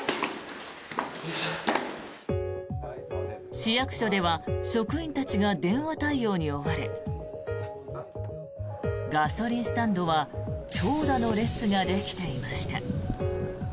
市役所では職員たちが電話対応に追われガソリンスタンドは長蛇の列ができていました。